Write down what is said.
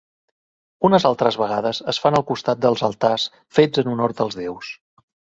Unes altres vegades es fan al costat dels altars fets en honor dels déus.